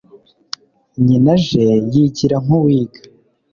Nyina aje yigira nkuwiga